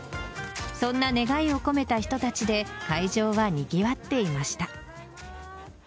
そんな願いを込めた人たちで会場はにぎわっていました。